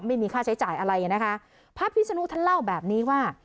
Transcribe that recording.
ไม่มีค่าใช้จ่ายอะไรนะคะพระพิศนุท่านเล่าแบบนี้ว่า